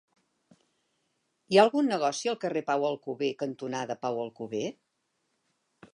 Hi ha algun negoci al carrer Pau Alcover cantonada Pau Alcover?